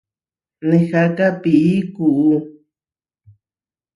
Neháka pií kuú.